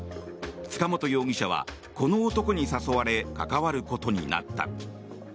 塚本容疑者はこの男に誘われ関わることになった。